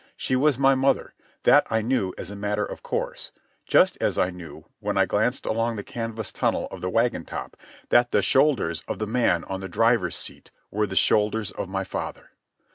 She was my mother; that I knew as a matter of course, just as I knew, when I glanced along the canvas tunnel of the wagon top, that the shoulders of the man on the driver's seat were the shoulders of my father.